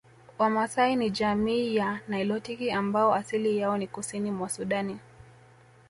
Wamaasai ni jamii ya nilotiki ambao asili yao ni Kusini mwa Sudani